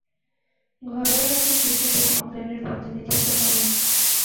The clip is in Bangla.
ঘরোয়া রাজ্য ক্রিকেটে অকল্যান্ডের প্রতিনিধিত্ব করেন।